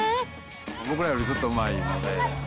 僕らよりずっとうまいので。